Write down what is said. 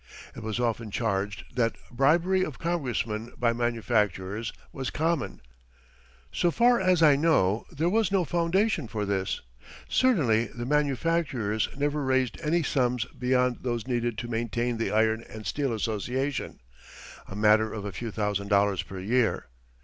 It was often charged that bribery of Congressmen by manufacturers was common. So far as I know there was no foundation for this. Certainly the manufacturers never raised any sums beyond those needed to maintain the Iron and Steel Association, a matter of a few thousand dollars per year.